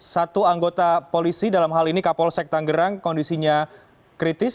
satu anggota polisi dalam hal ini kapolsek tanggerang kondisinya kritis